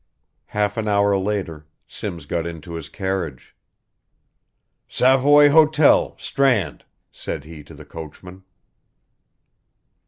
Half an hour later, Simms got into his carriage. "Savoy Hotel, Strand," said he to the coachman.